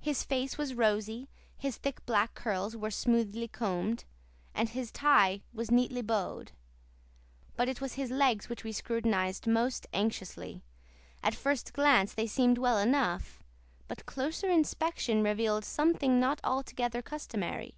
His face was rosy, his thick black curls were smoothly combed, and his tie was neatly bowed; but it was his legs which we scrutinized most anxiously. At first glance they seemed well enough; but closer inspection revealed something not altogether customary.